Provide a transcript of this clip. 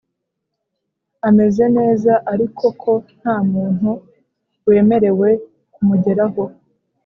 ameze neza ariko ko nta muntu wemerewe kumugeraho